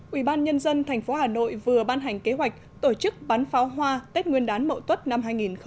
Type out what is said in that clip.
ủy ban nhân dân tp hà nội vừa ban hành kế hoạch tổ chức bán pháo hoa tết nguyên đán mậu tuất năm hai nghìn một mươi tám